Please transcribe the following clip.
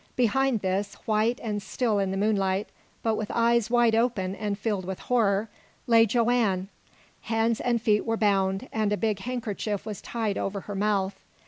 Behind this, white and still in the moonlight, but with eyes wide open and filled with horror, lay Joanne. Hands and feet were bound, and a big handkerchief was tied over her mouth.